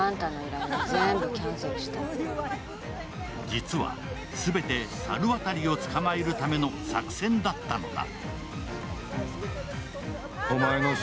実は、全て猿渡を捕まえるための作戦だったのだ。